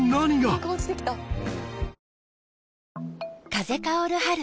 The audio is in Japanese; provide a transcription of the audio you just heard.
風薫る春。